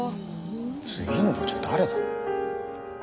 次の部長誰だ？